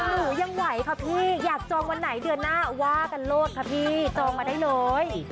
หนูยังไหวค่ะพี่อยากจองวันไหนเดือนหน้าว่ากันโลศค่ะพี่จองมาได้เลย